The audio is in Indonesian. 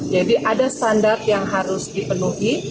jadi ada standar yang harus dipenuhi